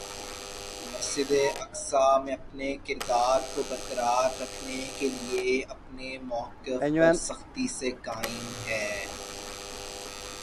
مسجد اقصیٰ میں اپنے کردار کو برقرار رکھنے کے لیے اپنے مؤقف پر سختی سے قائم ہے-